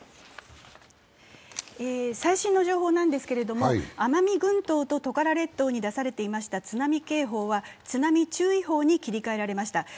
最新の情報なんですけれども、奄美群島とトカラ列島に出されていました津波警報は津波注意報に切り替えられました。